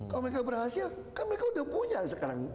kalau mereka berhasil kan mereka udah punya sekarang